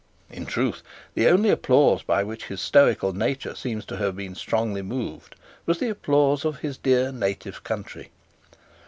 In truth, the only applause by which his stoical nature seems to have been strongly moved was the applause of his dear native country.